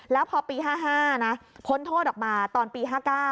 แล้วพอปี๕๕นะพ้นโทษออกมาตอนปี๕๙